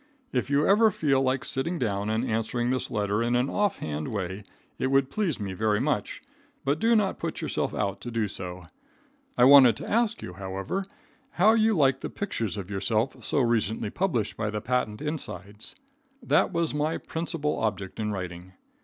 If you ever feel like sitting down and answering this letter in an off hand way it would please me very much, but do not put yourself out to do so. I wanted to ask you, however, how you like the pictures of yourself recently published by the patent insides. That was my principal object in writing.